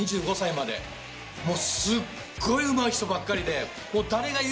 もうすっごいうまい人ばっかりで。